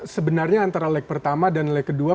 sebenarnya antara leg pertama dan leg kedua